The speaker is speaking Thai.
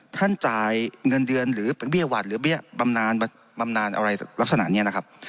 จ่ายเงินเดือนหรือไปเบี้ยหวัดหรือบำนานอะไรลักษณะนี้นะครับ